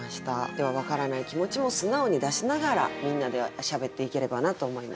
では分からない気持ちも素直に出しながらみんなでしゃべっていければなと思います。